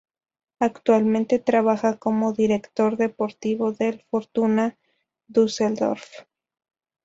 Actualmente trabaja como director deportivo del Fortuna Düsseldorf.